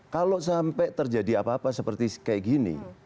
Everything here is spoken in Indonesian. kalau sampai terjadi apa apa seperti kayak gini